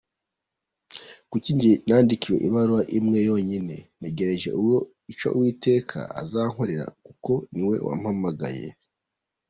Kuki njye nandikiwe ibaruwa imwe yonyine?… Ntegereje icyo Uwiteka azankorera kuko ni we wampamagaye.